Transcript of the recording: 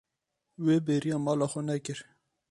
Wê bêriya mala xwe nekir.